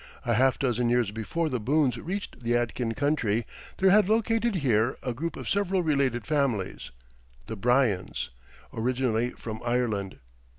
A half dozen years before the Boones reached the Yadkin country there had located here a group of several related families, the Bryans, originally from Ireland.